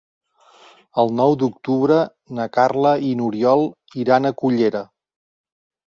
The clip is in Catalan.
El nou d'octubre na Carla i n'Oriol iran a Cullera.